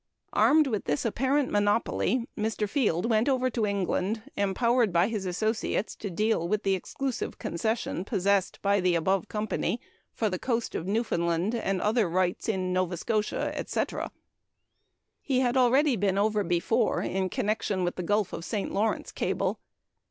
Armed with this apparent monopoly, Mr. Field went over to England, empowered by his associates to deal with the exclusive concession possessed by the above company for the coast of Newfoundland and other rights in Nova Scotia, etc. He had already been over before in connection with the Gulf of St. Lawrence cable.